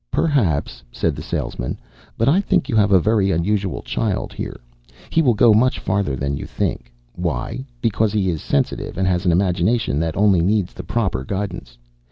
"Perhaps," said the salesman. "But I think you have a very unusual child here. He will go much farther than you may think. Why? Because he is sensitive and has an imagination that only needs the proper guidance.